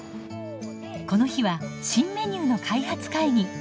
この日は新メニューの開発会議。